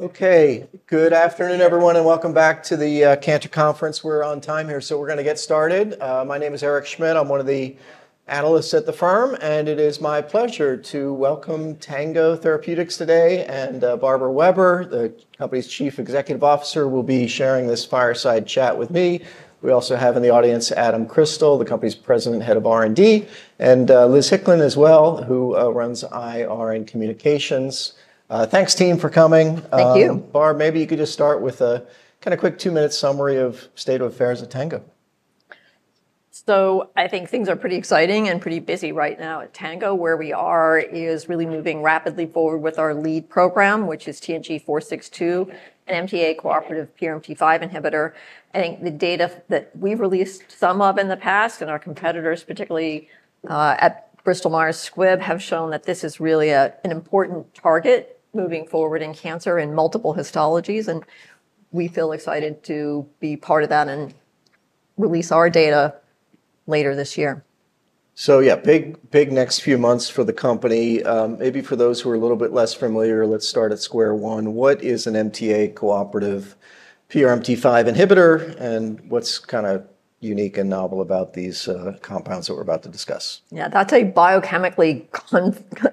Okay. Good afternoon, everyone, and welcome back to the Cantor conference. We're on time here, so we're going to get started. My name is Eric Schmidt. I'm one of the analysts at the firm, and it is my pleasure to welcome Tango Therapeutics today. And Barbara Weber, the company's Chief Executive Officer, will be sharing this fireside chat with me. We also have in the audience Adam Christel, the company's President and Head of R and D, and Liz Hicklin as well, who runs IR and Communications. Thanks, team, for coming. Thank you. Barb, maybe you could just start with a kind of quick two minute summary of state of affairs at Tango. So, I think things are pretty exciting and pretty busy right now at Tango. Where we are is really moving rapidly forward with our lead program, which is TNG462, an MTA cooperative PRMT5 inhibitor. I think the data that we've released some of in the past and our competitors, particularly at Bristol Myers Squibb, have shown that this is really an important target moving forward in cancer in multiple histologies, we feel excited to be part of that and release our data later this year. So, yeah, big next few months for the company. Maybe for those who are a little bit less familiar, let's start at square one. What is an MTA cooperative PRMT5 inhibitor, and what's kind of unique and novel about these compounds that we're about to discuss? Yeah, that's a biochemically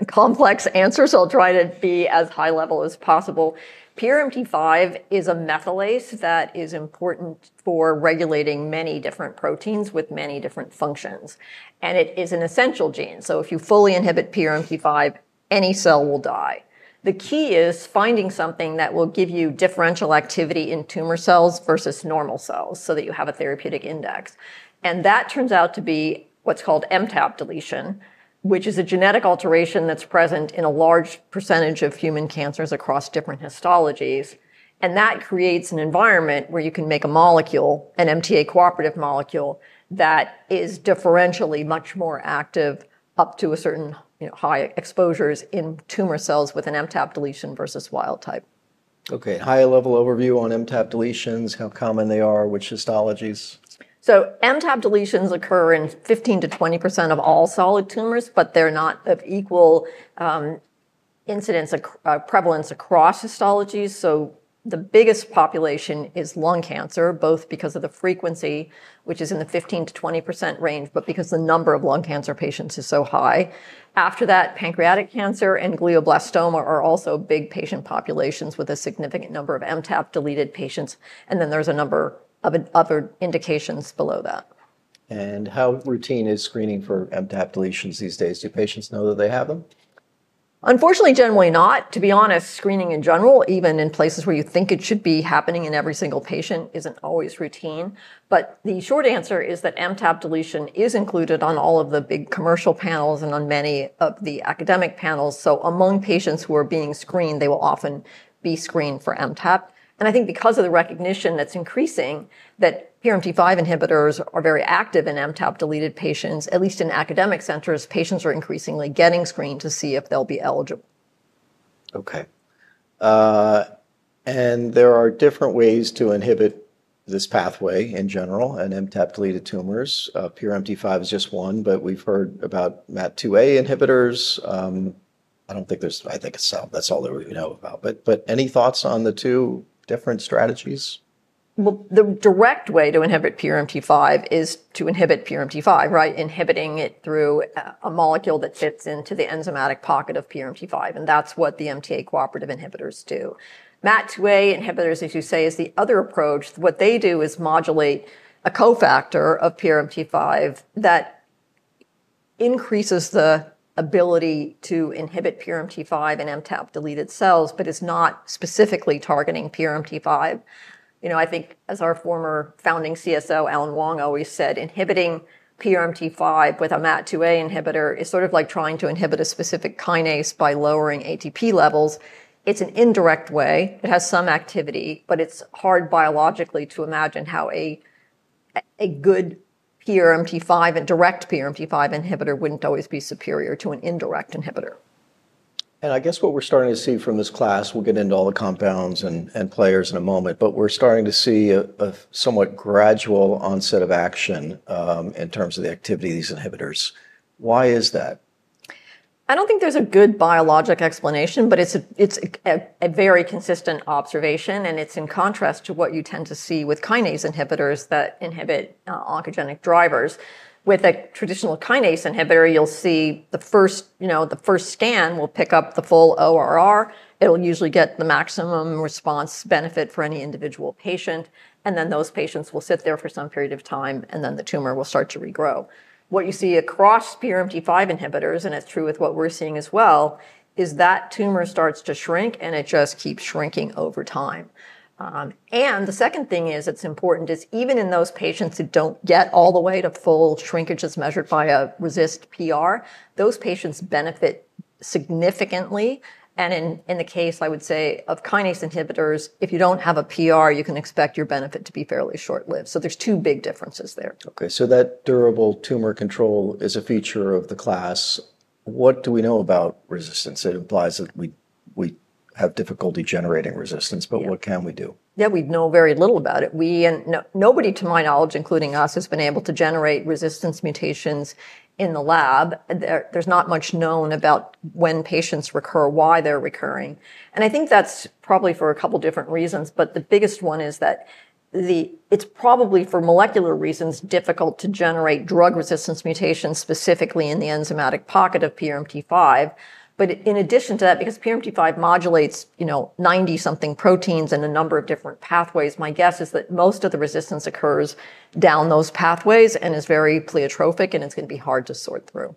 complex answer, so I'll try to be as high level as possible. PRMT5 is a methylase that is important for regulating many different proteins with many different functions. And it is an essential gene, so if you fully inhibit PRMT5, any cell will die. The key is finding something that will give you differential activity in tumor cells versus normal cells, so that you have a therapeutic index. And that turns out to be what's called MTAP deletion, which is a genetic alteration that's present in a large percentage of human cancers across different histologies, and that creates an environment where you can make a molecule, an MTA cooperative molecule, that is differentially much more active up to a certain high exposures in tumor cells with an MTAP deletion versus wild type. Okay. High level overview on MTAP deletions, how common they are, which histologies? So, MTAP deletions occur in fifteen to twenty percent of all solid tumors, but they're not of equal incidence or prevalence across histology. So the biggest population is lung cancer, both because of the frequency, which is in the fifteen to twenty percent range, but because the number of lung cancer patients is so high. After that, pancreatic cancer and glioblastoma are also big patient populations with a significant number of MTAP deleted patients, and then there's a number of other indications below that. And how routine is screening for MTAP deletions these days? Do patients know that they have them? Unfortunately, generally not. To be honest, screening in general, even in places where you think it should be happening in every single patient, isn't always routine. But the short answer is that MTAB deletion is included on all of the big commercial panels and on many of the academic panels. So, patients who are being screened, they will often be screened for MTAP. And I think because of the recognition that's increasing that PRMT5 inhibitors are very active in MTAP deleted patients, at least in academic centers, patients are increasingly getting screened to see if they'll be eligible. Okay. And there are different ways to inhibit this pathway, in general, in MTAP deleted tumors. PRMT5 is just one, but we've heard about MAT2A inhibitors. I don't think there's I think it's all that we know about. But any thoughts on the two different strategies? Well, the direct way to inhibit PRMT5 is to inhibit PRMT5, right? Inhibiting it through a molecule that fits into the enzymatic pocket of PRMT5, and that's what the MTA cooperative inhibitors do. MAT2A inhibitors, as you say, is the other approach. What they do is modulate a cofactor of PRMT5 that increases the ability to inhibit PRMT5 in MTAP deleted cells, but is not specifically targeting PRMT5. I think, as our former founding CSO, Alan Wong, always said, inhibiting PRMT5 with a MATA2A inhibitor is sort of like trying to inhibit a specific kinase by lowering ATP levels. It's an indirect way. It has some activity, but it's hard biologically to imagine how a good PRMT5, a direct PRMT5 inhibitor wouldn't always be superior to an indirect inhibitor. And I guess what we're starting to see from this class we'll get into all the compounds players in a moment but we're starting to see a somewhat gradual onset of action in terms of the activity of these inhibitors. Why is that? I don't think there's a good biologic explanation, but observation and it's in contrast to what you tend to see with kinase inhibitors that inhibit oncogenic drivers. With a traditional kinase inhibitor, you'll see the first scan will pick up the full ORR. It'll usually get the maximum response benefit for any individual patient, and then those patients will sit there for some period of time and then the tumor will start to regrow. What you see across PRMT5 inhibitors, and it's true with what we're seeing as well, is that tumor starts to shrink and it just keeps shrinking over time. And the second thing is, it's important, is even in those patients who don't get all the way to full shrinkage as measured by a resist PR, those patients benefit significantly. And in the case, I would say, of kinase inhibitors, if you don't have a PR, you can expect your benefit to be fairly short lived. So, there's two big differences there. Okay. So, that durable tumor control is a feature of the class. What do we know about resistance? It implies that we have difficulty generating resistance, but what can we do? Yeah, we know very little about it. We nobody, to my knowledge, including us, has been able to generate resistance mutations in the lab. There's not much known about when patients recur, why they're recurring. And I think that's probably for a couple different reasons, but the biggest one is that it's probably for molecular reasons difficult to generate drug resistance mutations, specifically in the enzymatic pocket of PRMT5, but in addition to that, because PRMT5 modulates, you know, 90 something proteins in a number of different pathways, my guess is that most of the resistance occurs down those pathways and is very pleiotropic and it's going to be hard to sort through.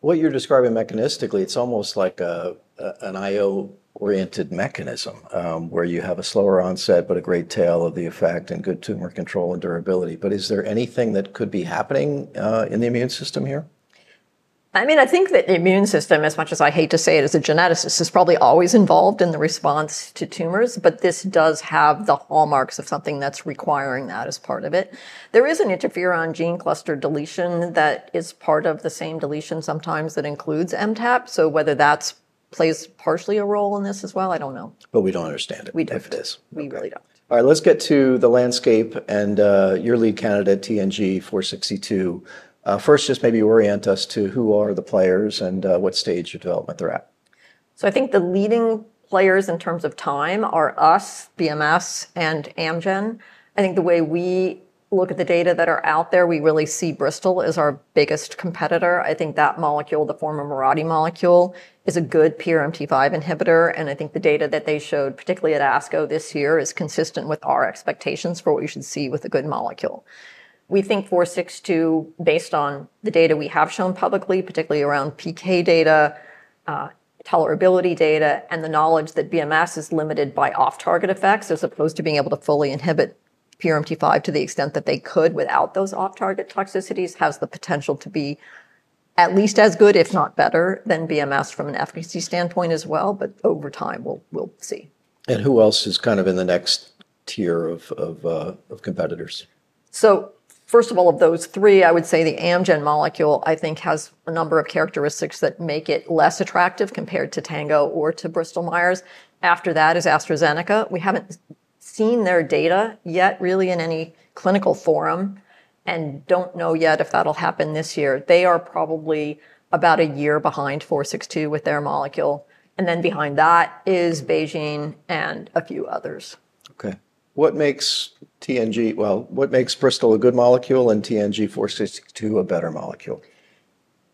What you're describing mechanistically, it's almost like an IO oriented mechanism, where you have a slower onset but a great tail of the effect and good tumor control and durability. But is there anything that could be happening in the immune system here? I mean, I think that the immune system, as much as I hate to say it as a geneticist, is probably always involved in the response to tumors, but this does have the hallmarks of something that's requiring that as part of it. There is an interferon gene cluster deletion that is part of the same deletion sometimes that includes MTAP, so whether that plays partially a role in this as well, I don't know. But we don't understand it. We don't. If it is. We really don't. All right, let's get to the landscape and your lead candidate, TNG462. First, just maybe orient us to who are the players and what stage of development they're at. So I think the leading players in terms of time are us, BMS and Amgen. I think the way we look at the data that are out there, we really see Bristol as our biggest competitor. I think that molecule, the former Mirati molecule, is a good PRMT5 inhibitor and I think the data that they showed, particularly at ASCO this year, is consistent with our expectations for what we should see with a good molecule. We think four sixty two, based on the data we have shown publicly, particularly around PK data, tolerability data, and the knowledge that BMS is limited by off target effects as opposed to being able to fully inhibit PRMT5 to the extent that they could without those off target toxicities has the potential to be at least as good, if not better, than BMS from an efficacy standpoint as well, but over time, we'll see. And who else is kind of in the next tier of competitors? So, first of all, of those three, I would say the Amgen molecule, I think, has a number of characteristics that make it less attractive compared to Tango or to Bristol Myers. After that is AstraZeneca. We haven't seen their data yet, really, in any clinical forum, and don't know yet if that'll happen this year. They are probably about a year behind four sixty two with their molecule, and then behind that is BeiGene and a few others. Okay. What makes TNG well, what makes Bristol a good molecule and TNG462 a better molecule?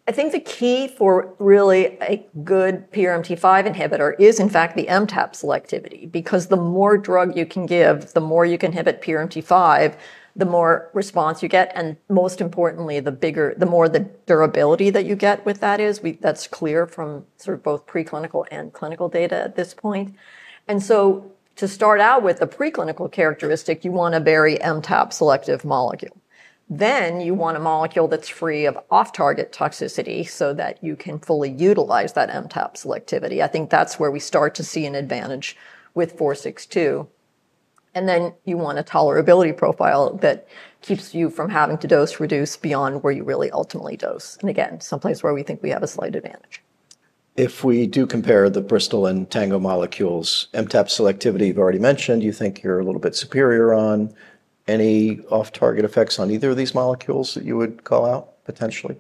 I think the key for really a good PRMT5 inhibitor is, in fact, the MTAP selectivity, because the more drug you can give, the more you can inhibit PRMT5, the more response you get, and most importantly, the bigger the more the durability that you get with that is. That's clear from sort of both preclinical and clinical data at this point. And so, to start out with a preclinical characteristic, you want a very MTAP selective molecule. Then, you want a molecule that's free of off target toxicity so that you can fully utilize that MTAP selectivity. I think that's where we start to see an advantage with four sixty two. And then you want a tolerability profile that keeps you from having to dose reduce beyond where you really ultimately dose. And again, someplace where we think we have a slight advantage. If we do compare the Bristol and Tango molecules, MTAP selectivity you've already mentioned, you think you're a little bit superior on. Any off target effects on either of these molecules that you would call out potentially?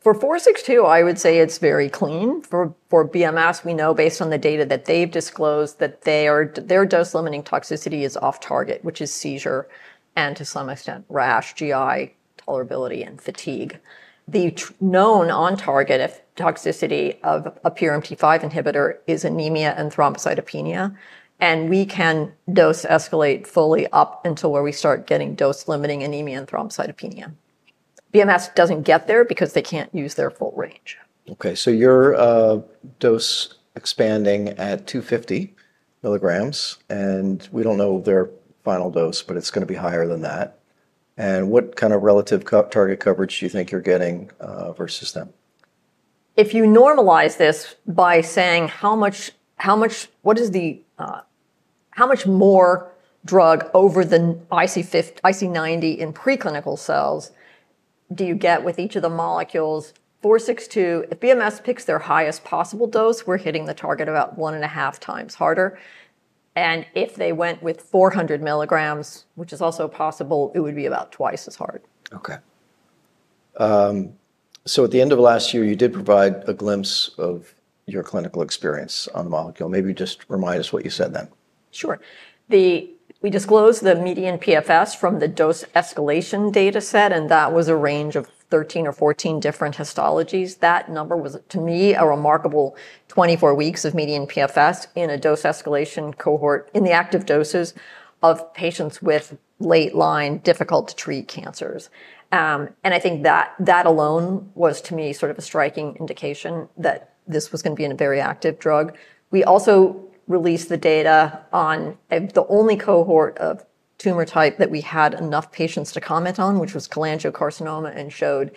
For four sixty two, I would say it's very clean. For BMS, we know based on the data that they've disclosed that their dose limiting toxicity is off target, which is seizure and, to some extent, rash, GI, tolerability and fatigue. The known on target toxicity of a PRMT5 inhibitor is anemia and thrombocytopenia, and we can dose escalate fully up until where we start getting dose limiting anemia and thrombocytopenia. BMS doesn't get there because they can't use their full range. Okay, so your dose expanding at two fifty mg, and we don't know their final dose, but it's going be higher than that. And what kind of relative target coverage do you think you're getting versus them? If you normalize this by saying how much what is the how much more drug over the IC90 in preclinical cells do you get with each of the molecules, four sixty two if BMS picks their highest possible dose, we're hitting the target about one and a half times harder. And if they went with four hundred milligrams, which is also possible, it would be about twice as hard. Okay. So, at the end of last year, you did provide a glimpse of your clinical experience on the molecule. Maybe just remind us what you said then. Sure. The we disclosed the median PFS from the dose escalation data set, and that was a range of 13 or 14 different histologies. That number was, to me, a remarkable twenty four weeks of median PFS in a dose escalation cohort in the active doses of patients with late line, difficult to treat cancers. And I think that alone was to me sort of a striking indication that this was going be a very active drug. We also released the data on the only cohort of tumor type that we had enough patients to comment on, which was cholangiocarcinoma, and showed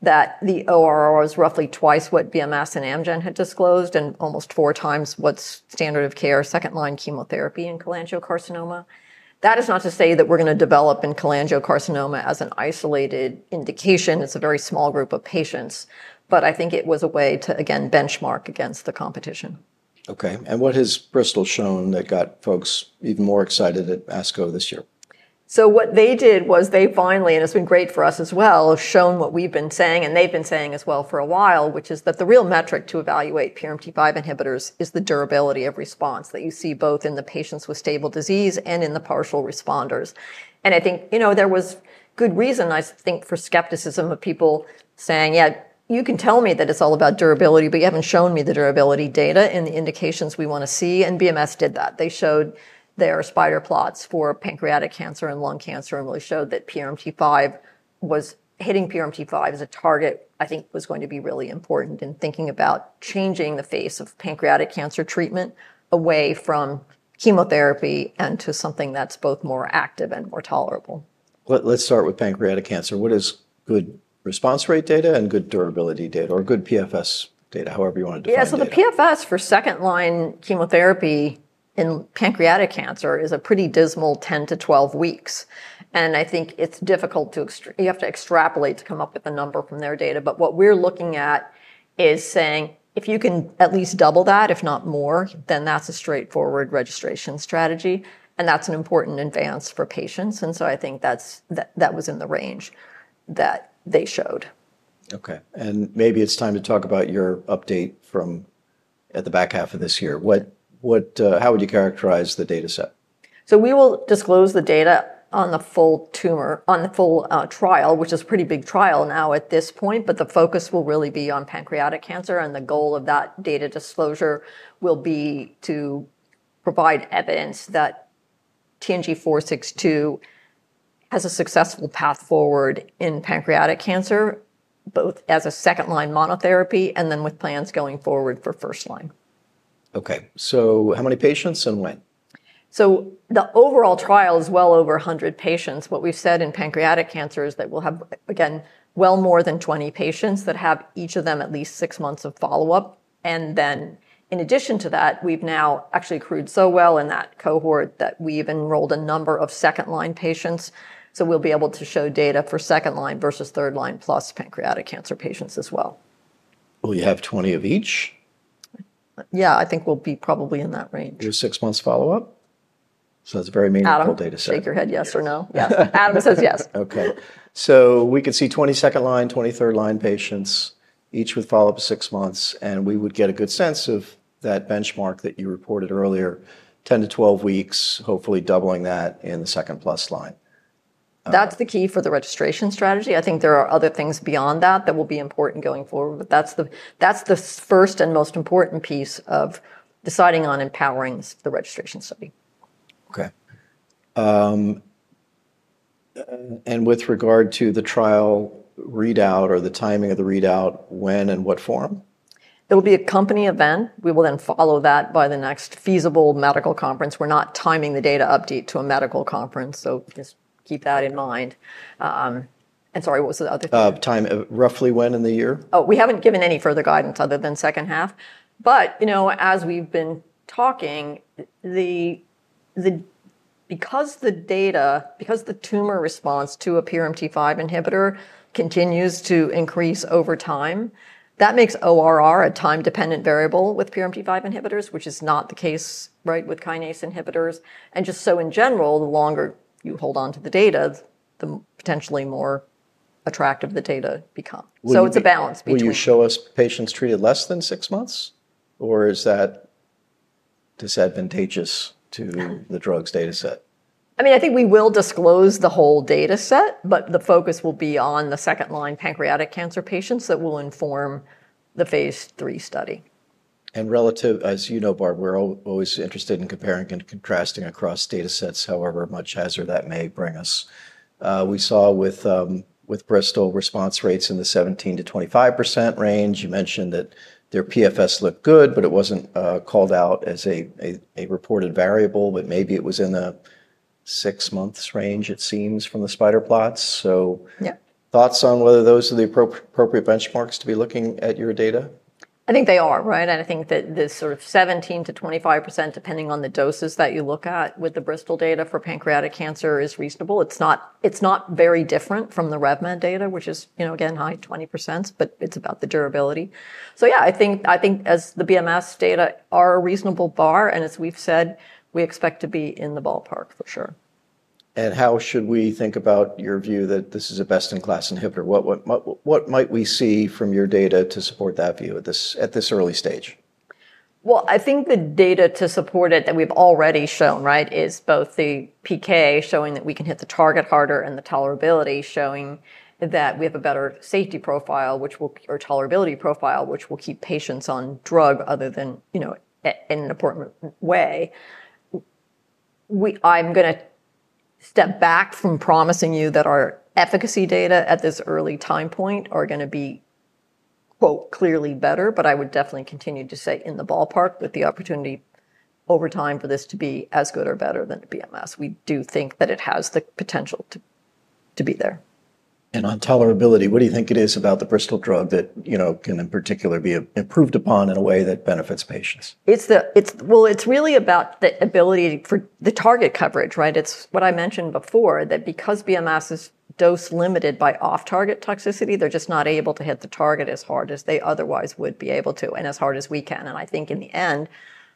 that the ORR was roughly twice what BMS and Amgen had disclosed and almost four times what's standard of care second line chemotherapy in cholangiocarcinoma. That is not to say that we're going to develop in cholangiocarcinoma as an isolated indication, it's a very small group of patients, but I think it was a way to, again, benchmark against the competition. Okay. And what has Bristol shown that got folks even more excited at ASCO this year? So what they did was they finally, and it's been great for us as well, have shown what we've been saying, and they've been saying as well for a while, which is that the real metric to evaluate PRMT5 inhibitors is the durability of response that you see both in the patients with stable disease and in the partial responders. And I think, you know, there was good reason, I think, for skepticism of people saying, Yeah, you can tell me that it's all about durability, but you haven't shown me the durability data and the indications we want to see. And BMS did that. They showed their spider plots for pancreatic cancer and lung cancer and really showed that PRMT5 was hitting PRMT-five as a target, I think, was going to be really important in thinking about changing the face of pancreatic cancer treatment away from chemotherapy and to something that's both more active and more tolerable. Let's start with pancreatic cancer. What is good response rate data and good durability data? Or good PFS data, however you want to define it. Yeah, the PFS for second line chemotherapy in pancreatic cancer is a pretty dismal ten to twelve weeks. And I think it's difficult to you have to extrapolate to come up with a number from their data. But what we're looking at is saying, If you can at least double that, if not more, then that's a straightforward registration strategy, And that's an important advance for patients. And so I think that was in the range that they showed. Okay. And maybe it's time to talk about your update from at the back half of this year. What how would you characterize the data set? So, we will disclose the data on the full tumor on the full trial, which is a pretty big trial now at this point, but the focus will really be on pancreatic cancer, and the goal of that data disclosure will be to provide evidence that TNG462 has a successful path forward in pancreatic cancer, both as a second line monotherapy and then with plans going forward for first line. Okay. So, how many patients and when? So, the overall trial is well over one hundred patients. What we've said in pancreatic cancer is that we'll have, again, well more than twenty patients that have each of them at least six months of follow-up. And then, in addition to that, we've now accrued so well in that cohort that we've enrolled a number of second line patients, so we'll be able to show data for second line versus third line plus pancreatic cancer patients as well. Will you have 20 of each? Yeah, I think we'll be probably in that range. You have six months follow-up? It's a very meaningful Adam, data shake your head yes or no. Adam says yes. Okay. So, we could see 20 line, twenty third line patients, each with follow-up six months, and we would get a good sense of that benchmark that you reported earlier, ten to twelve weeks, hopefully doubling that in the second plus line. That's the key for the registration strategy. I think there are other things beyond that that will be important going forward. But that's the first and most important piece of deciding on empowering the registration study. Okay. And with regard to the trial readout or the timing of the readout, when and what form? There will be a company event. We will then follow that by the next feasible medical conference. We're not timing the data update to a medical conference, so just keep that in mind. And sorry, what was the other question? Time roughly when in the year? Oh, we haven't given any further guidance other than second half. But, you know, as we've been talking, the because the data because the tumor response to a PRMT5 inhibitor continues to increase over time, That makes ORR a time dependent variable with PRMT5 inhibitors, which is not the case, right, with kinase inhibitors. And just so, in general, the longer you hold on to the data, potentially more attractive the data becomes. So, it's a balance between Would you show us patients treated less than six months, or is that disadvantageous to the drugs data set? I mean, I think we will disclose the whole data set, but the focus will be on the second line pancreatic cancer patients that will inform the Phase III study. And relative as you know, Bart, we're always interested in comparing and contrasting across data sets, however much hazard that may bring us. We saw with Bristol response rates in the seventeen percent to twenty five percent range. You mentioned that their PFS looked good, but it wasn't called out as a reported variable, but maybe it was in the six months range, it seems, from the spider plots. So, thoughts on whether those are the appropriate benchmarks to be looking at your data? I think they are, right? And I think that this sort of seventeen percent to twenty five percent, depending on the doses that you look at, with the Bristol data for pancreatic cancer is reasonable. It's not very different from the RevMed data, which is, you know, again high, twenty percent, but it's about the durability. So, I think as the BMS data are a reasonable bar, and as we've said, we expect to be in the ballpark for sure. And how should we think about your view that this is a best in class inhibitor? What might we see from your data to support that view at this early stage? Well, I think the data to support it that we've already shown, right, is both the PK showing that we can hit the target harder, and the tolerability showing that we have a better safety profile, will or tolerability profile, which will keep patients on drug other than, you know, in an important way. We I'm going to step back from promising you that our efficacy data at this early time point are going to be clearly better, but I would definitely continue to say in the ballpark with the opportunity over time for this to be as good or better than the BMS. We do think that it has the potential to be there. And on tolerability, what do you think it is about the Bristol drug that, you know, can in particular be improved upon in a way that benefits patients? It's the Well, it's really about the ability for the target coverage, right? It's what I mentioned before, that because BMS is dose limited by off target toxicity, they're just not able to hit the target as hard as they otherwise would be able to, and as hard as we can. And I think in the end,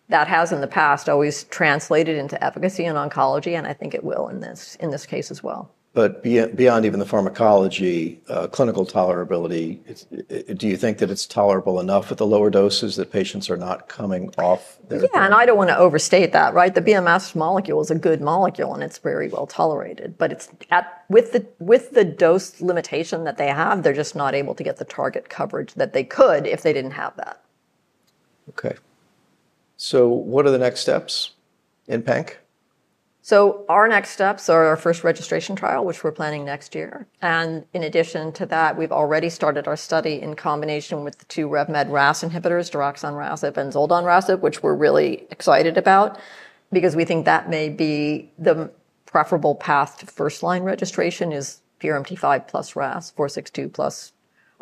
that has in the past always translated into efficacy in oncology, and I think it will in this case as well. But beyond even the pharmacology clinical tolerability, do you think that it's tolerable enough at the lower doses that patients are not coming Yeah, I don't want to overstate that, right? The BMS molecule is a good molecule and it's very well tolerated. But with the dose limitation that they have, they're just not able to get the target coverage that they could if they didn't have that. Okay. So, what are the next steps in PANC? So, our next steps are our first registration trial, which we're planning next year. And in addition to that, we've already started our study in combination with the two RevMed RAAS inhibitors, doroxonrasib and zoldonrasib, which we're really excited about because we think that may be the preferable path to first line registration is PRMT5 plus RAAS, four sixty two plus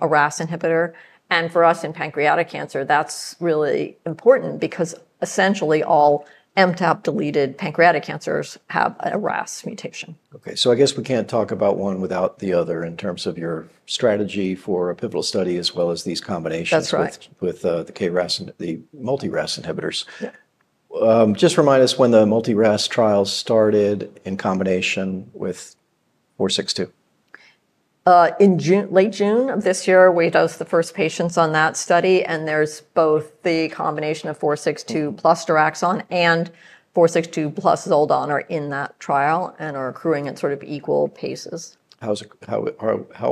a RAAS inhibitor. And for us in pancreatic cancer, that's really important because essentially all MTAP deleted pancreatic cancers have a RAAS mutation. Okay. So, I guess we can't talk about one without the other in terms of your strategy for a pivotal study as well as these combinations with the KRAS and the multi RAS inhibitors. Just remind us when the multi RAS trials started in combination with four sixty two? In late June of this year, we dosed the first patients on that study, and there's both the combination of four sixty two plus Diraxon and four sixty two plus Zoldon are in that trial and are accruing at sort of equal paces. How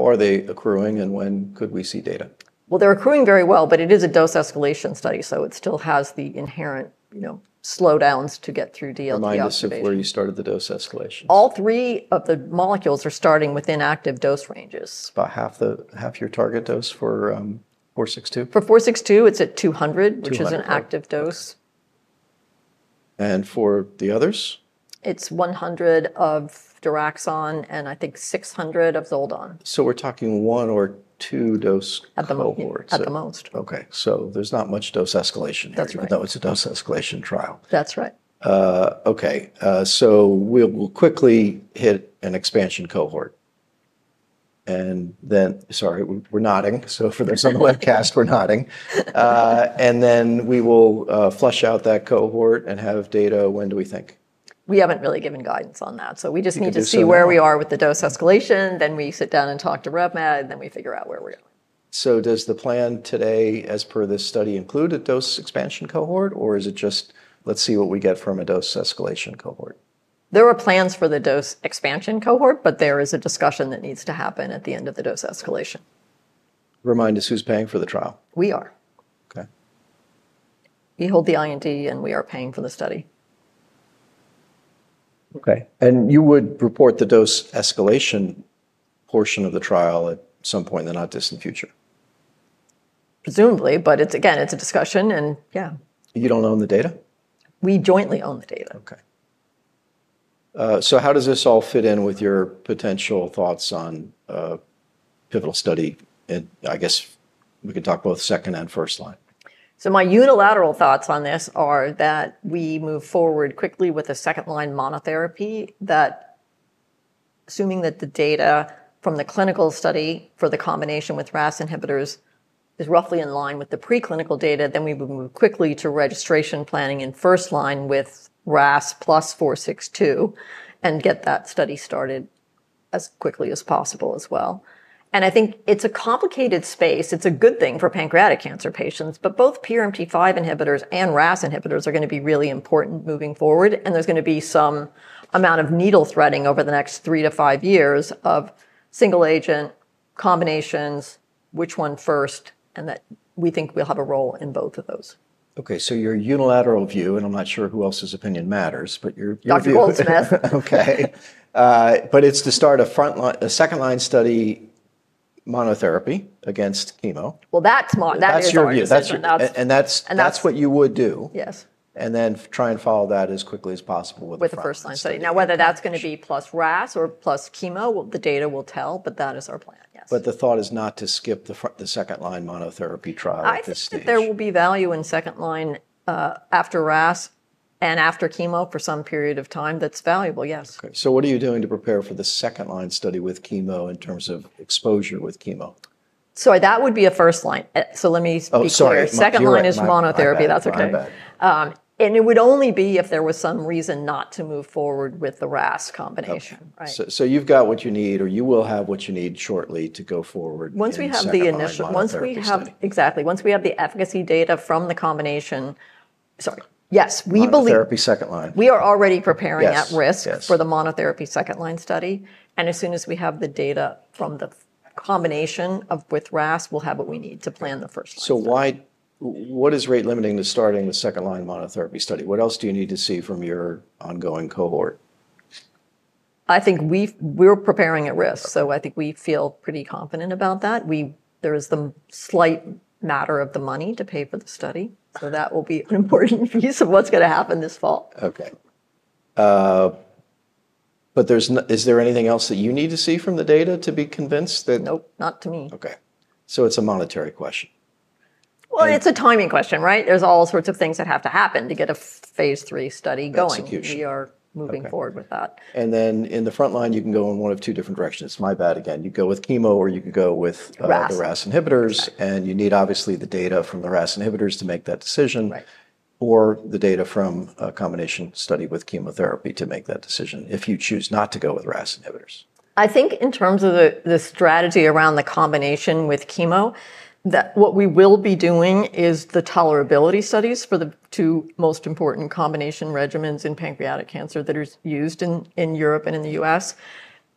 are they accruing, and when could we see data? Well, they're accruing very well, but it is a dose escalation study, so it still has the inherent, you know, slowdowns to get through DLTIP Nine is where you started the All three of the molecules are starting within active dose ranges. About half your target dose for four sixty two? For four sixty two, it's at two hundred, which And is an active for the others? It's one hundred of Duraxon and I think six hundred of Zoldon. So we're talking one or two dose At the most. Okay. So there's not much dose escalation here. That's right. We thought it was a dose escalation trial. That's right. Okay. So, we'll quickly hit an expansion cohort. And then sorry, we're nodding. So, for those on the webcast, we're nodding. And then, we will flush out that cohort and have data. When do we think? We haven't really given guidance on that. We just need to see where we are with the dose escalation, then we sit down and talk to RevMed, then we figure out where we are. So, does the plan today, as per this study, include a dose expansion cohort, or is it just, Let's see what we get from a dose escalation cohort? There are plans for the dose expansion cohort, but there is a discussion that needs to happen at the end of the dose escalation. Remind us who's paying for the trial. We are. Okay. We hold the IND and we are paying for the study. Okay. And you would report the dose escalation portion of the trial at some point in the not distant future? Presumably, but it's again, it's a discussion and, yeah. You don't own the data? We jointly own the data. Okay. So, how does this all fit in with your potential thoughts on pivotal study? And I guess, we can talk about second and first line. So, my unilateral thoughts on this are that we move forward quickly with a second line monotherapy, that assuming that the data from the clinical study for the combination with RAS inhibitors is roughly in line with the preclinical data, then we will move quickly to registration planning in first line with RAS plus four sixty two and get that study started as quickly as possible as well. And I think it's a complicated space. It's a good thing for pancreatic cancer patients, but both PRMT five inhibitors and RAS inhibitors are going to be really important moving forward, and there's going to be some amount of needle threading over the next three to five years of single agent combinations, which one first, and that we think we'll have a role in both of those. Okay. So, unilateral view, and I'm not sure who else's opinion matters, but your Doctor. View Goldsmith. Okay. But it's to start a second line study monotherapy against chemo. Well, that's your your view. That's what you would do. Yes. And then, try and follow that as quickly as possible with With front first line study. Now, whether that's going be plus RAS or plus chemo, the data will tell, but that is our plan, yes. But the thought is not to skip the second line monotherapy trial at think there will be value in second line after RAS and after chemo for some period of time that's valuable, yes. Okay. So, are you doing to prepare for the second line study with chemo in terms of exposure with chemo? So, that would be a first line. So, let me be Oh, sorry. Second line is monotherapy. That's okay. My bad. It would only be if there was some reason not to move forward with the RAS combination. Okay. So, you've got what you need, or you will have what you need shortly to go forward. Once we have the efficacy data from the combination sorry. We believe On the therapy second line. We are already preparing at risk for the monotherapy second line study. And as soon as we have the data from the combination of with RAS, we'll have what we need to plan the first line study. So, why what is rate limiting to starting the second line monotherapy study? What else do you need to see from your ongoing cohort? I think we're preparing at risk, so I think we feel pretty confident about that. We there is the slight matter of the money to pay for the study, so that will be an important piece of what's gonna happen this fall. Okay. But there's is there anything else that you need to see from the data to be convinced that Nope. Not to me. Okay. So, it's a monetary question. Well, it's a timing question, right? There's all sorts of things that have to happen to get a phase III study going. That's huge issue. We are moving And forward with then, in the front line, you can go in one of two different directions. My bad again. You go with chemo or you can go with the RAS inhibitors, and you need, obviously, the data from the RAS inhibitors to make that decision, or the data from a combination study with chemotherapy to make that decision, if you choose not to go with RAS inhibitors. I think in terms of the strategy around the combination with chemo, what we will be doing is the tolerability studies for the two most important combination regimens in pancreatic cancer that are used in Europe and in The US.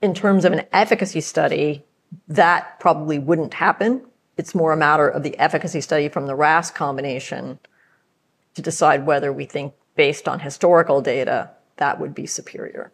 In terms of an efficacy study, that probably wouldn't happen. It's more a matter of the efficacy study from the RAS combination to decide whether we think based on historical data that would be superior.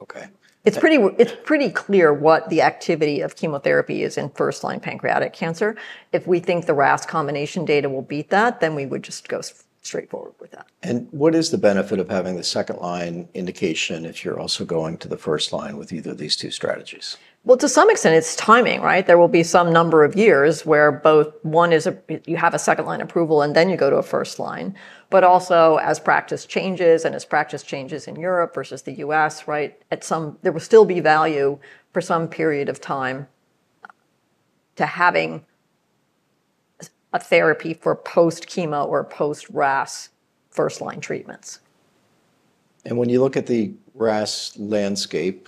Okay. It's pretty clear what the activity of chemotherapy is in first line pancreatic cancer. If we think the RAS combination data will beat that, then we would just go straight forward with that. And what is the benefit of having the second line indication if you're also going to the first line with either of these two strategies? Well, to some extent it's timing, right? There will be some number of years where both, one is, you have a second line approval and then you go to a first line. But also, as practice changes, and as practice changes in Europe versus The U. S, right, at some there will still be value for some period of time to having a therapy for post chemo or post RAS first line treatments. And when you look at the RAS landscape,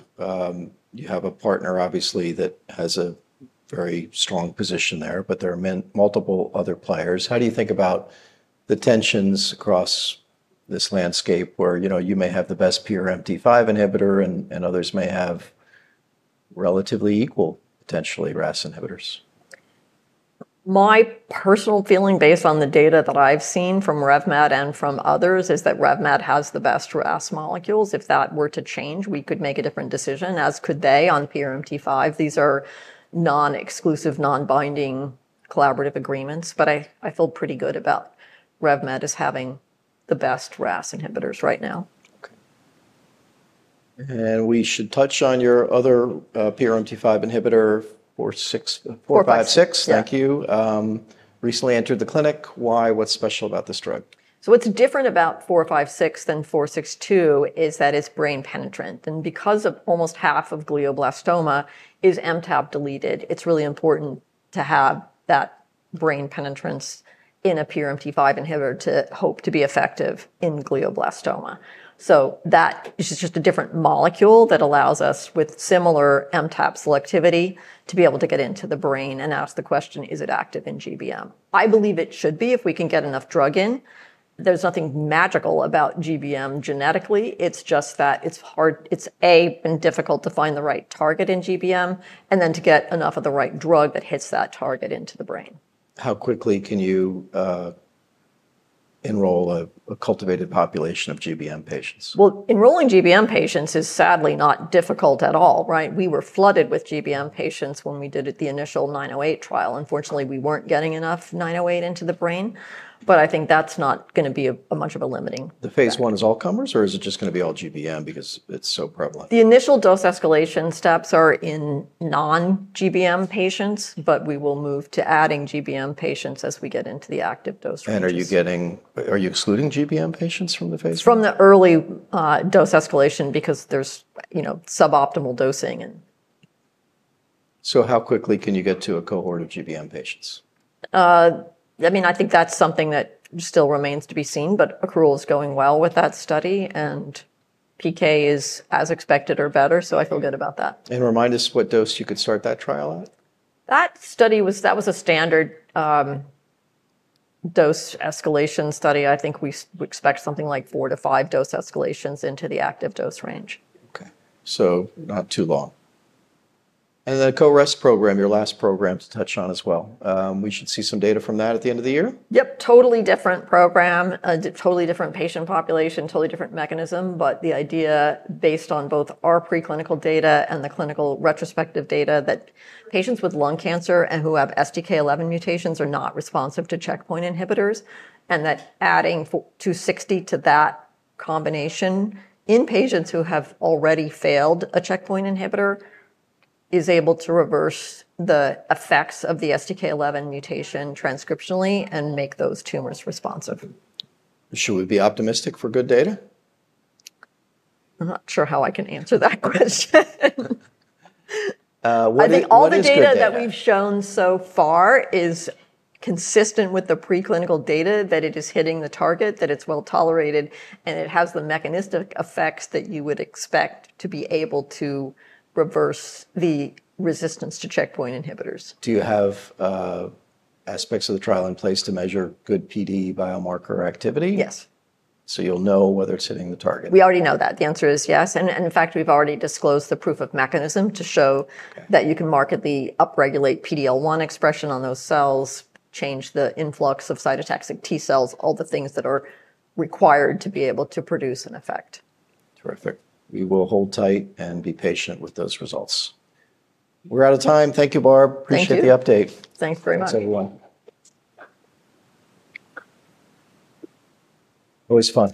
you have a partner, obviously, that has a very strong position there, but there are multiple other players. How do you think about the tensions across this landscape where, you know, you may have the best PRMT5 inhibitor and others may have relatively equal, potentially, RAS inhibitors? My personal feeling, based on the data that I've seen from RevMed and from others is that RevMed has the best RAS molecules. If that were to change, we could make a different decision, as could they on PRMT5. These are non exclusive, non binding collaborative agreements. But I feel pretty good about RevMed as having the best RAS inhibitors right now. And we should touch on your other PRMT5 inhibitor, fifty four fifty six. You. Recently entered the clinic. Why? What's special about this drug? So, what's different about four fifty six than four sixty two is that it's brain penetrant. And because almost half of glioblastoma is MTAP deleted, it's really important to have that brain penetrance in a PRMT5 inhibitor to hope to be effective in glioblastoma. So, that is just a different molecule that allows us with similar MTAP selectivity to be able to get into the brain and ask the question, is it active in GBM? I believe it should be if we can get enough drug in. There's nothing magical about GBM genetically. It's just that it's hard, it's A, been difficult to find the right target in GBM, and then to get enough of the right drug that hits that target into the brain. How quickly can you enroll a cultivated population of GBM patients? Well, enrolling GBM patients is sadly not difficult at all, right? We were flooded with GBM patients when we did the initial nine zero eight trial. Unfortunately, we weren't getting enough nine zero eight into the brain, but I think that's not going to be a much of a limiting factor. The phase one is all comers, or is it just going be all GBM because it's so prevalent? The initial dose escalation steps are in non GBM patients, but we will move to adding GBM patients as we get into the active dose range. And are you getting are you excluding GBM patients from the Phase one? From the early dose escalation because there's suboptimal dosing and So, how quickly can you get to a cohort of GBM patients? I mean, I think that's something that still remains to be seen, but accrual is going well with that study, and PK is as expected or better, so I feel good about that. And remind us what dose you could start that trial That study was that was a standard dose escalation study. I think we expect something like four to five dose escalations into the active dose range. Okay. So, not too long. And the CoREST program, your last program to touch on as well. We should see some data from that at the end of the year? Yep, totally different program, totally different patient population, totally different mechanism, but the idea based on both our preclinical data and the clinical retrospective data that patients with lung cancer and who have STK11 mutations are not responsive to checkpoint inhibitors, and that adding two sixty to that combination in patients who have already failed a checkpoint inhibitor is able to reverse the effects of the STK11 mutation transcriptionally and make those tumors responsive. Should we be optimistic for good data? I'm not sure how I can answer that question. I think all the data that we've shown so far is consistent with the preclinical data that it is hitting the target, that it's well tolerated, and it has the mechanistic effects that you would expect to be able to reverse the resistance to checkpoint inhibitors. Do you have aspects of the trial in place to measure good PD biomarker activity? Yes. So, you'll know whether it's hitting the target? We already know that. The answer is yes. And in fact, we've already disclosed the proof of mechanism to show that you can market the upregulate PD L1 expression on those cells, change the influx of cytotoxic T cells, all the things that are required to be able to produce an effect. Terrific. We will hold tight and be patient with those results. We're out of time. Thank you, Barb. Appreciate the update. Very much. Thanks, everyone. Always fun.